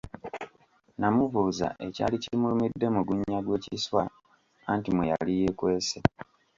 Namubuuza ekyali kimulumidde mu gunnya gw’ekiswa anti mwe yali yeekwese.